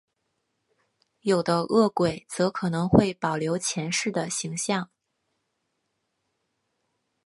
有的饿鬼则可能会保留前世的形象。